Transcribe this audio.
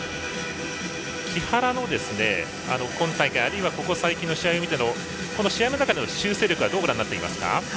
木原も今大会、あるいはここ最近の試合を見てこの試合の中での修正力はどうご覧になっていますか？